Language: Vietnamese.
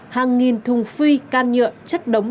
hàng nghìn thùng phi can nhựa chất đóng